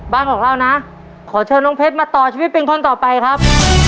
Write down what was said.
บ้านของเรานะขอเชิญน้องเพชรมาต่อชีวิตเป็นคนต่อไปครับ